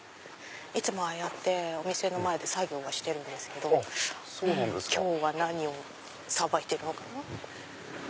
いつもああやってお店の前で作業はしてるんですけど今日は何をさばいてるのかな。